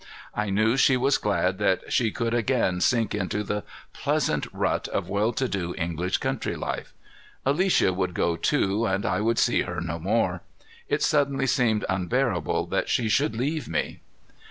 I knew she was glad that she could again sink into the pleasant rut of well to do English country life. Alicia would go too, and I would see her no more. It suddenly seemed unbearable that she should leave me.